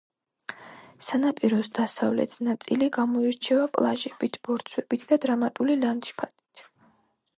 სანაპიროს დასავლეთ ნაწილი გამოირჩევა პლაჟებით, ბორცვებით და დრამატული ლანდშაფტით.